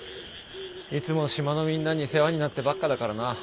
いつも島のみんなに世話になってばっかだからな。